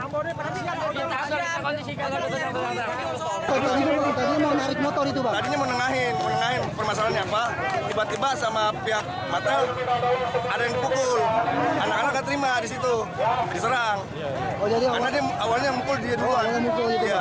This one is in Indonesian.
pemasalahannya apa tiba tiba sama pihak matel ada yang dipukul anak anak gak terima disitu diserang karena dia awalnya mumpul dia dulu